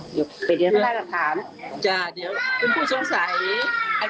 เดี๋ยวเดี๋ยวทำได้กับถามจ้ะเดี๋ยวคุณผู้สงสัย